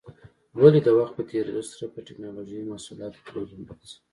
ولې د وخت په تېرېدو سره په ټېکنالوجۍ محصولاتو کې بدلون راځي؟